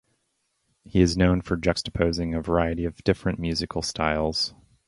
He is known for juxtaposing a variety of different musical styles.